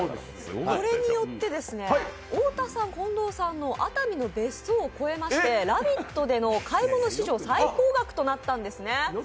これによって、太田さん・近藤さんの熱海の別荘を超えまして「ラヴィット！」での買い物史上最高額となったんですね。